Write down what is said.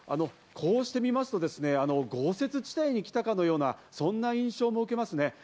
こうして見ますと、豪雪地帯に来たかのような、そんな印象も受けますね。